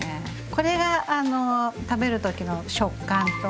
これが食べる時の食感と。